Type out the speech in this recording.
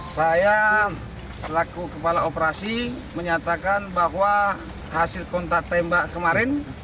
saya selaku kepala operasi menyatakan bahwa hasil kontak tembak kemarin